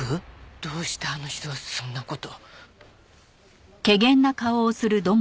どうしてあの人がそんな事。